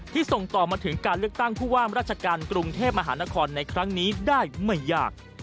ส่งต่อมาถึงการเลือกตั้งผู้ว่ามราชการกรุงเทพมหานครในครั้งนี้ได้ไม่ยาก